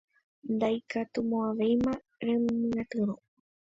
Ndaikatumo'ãvéima remyatyrõ.